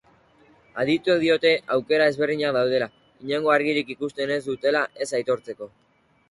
Adituek diote aukera ezberdinak daudela, inongo argirik ikusten ez dutela ez aitortzeko.